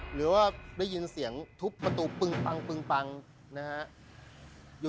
หรือว่าได้ยินเสียงทุบประตูปึงปังปึงปังนะฮะ